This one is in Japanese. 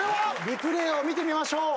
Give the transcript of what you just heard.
リプレーを見てみましょう。